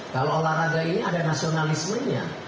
kalau olahraga ini ada nasionalismenya